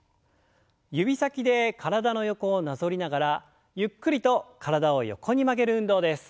指先で体の横をなぞりながらゆっくりと体を横に曲げる運動です。